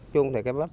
chúng thì cây bắp